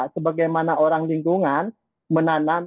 sebagaimana orang lingkungan menanam